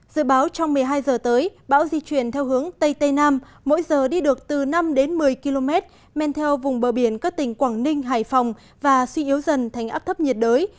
dự báo trong một mươi hai giờ tới bão di chuyển theo hướng tây tây nam mỗi giờ đi được từ năm đến một mươi km men theo vùng bờ biển các tỉnh quảng ninh hải phòng và suy yếu dần thành áp thấp nhiệt đới